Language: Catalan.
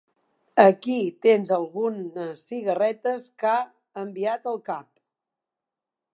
Aquí tens algunes cigarretes que ha enviat el cap.